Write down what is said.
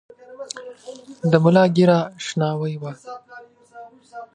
د ملا ږیره شناوۍ وه .